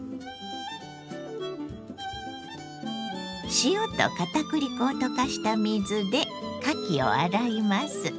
塩と片栗粉を溶かした水でかきを洗います。